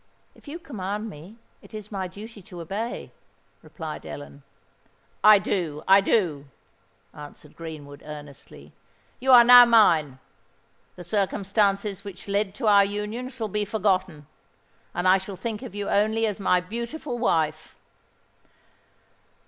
"If you command me, it is my duty to obey," replied Ellen. "I do—I do," answered Greenwood, earnestly. "You are now mine—the circumstances which led to our union shall be forgotten—and I shall think of you only as my beautiful wife."